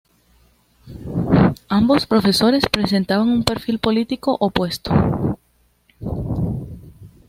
Ambos profesores presentaban un perfil político opuesto.